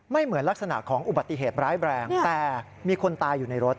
เหมือนลักษณะของอุบัติเหตุร้ายแรงแต่มีคนตายอยู่ในรถ